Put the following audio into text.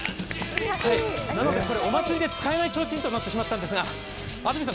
なのでお祭りで使えないちょうちんとなっていますが安住さん